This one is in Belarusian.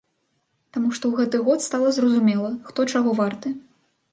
Таму што ў гэты год стала зразумела, хто чаго варты.